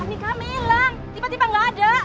kami kami hilang tiba tiba gak ada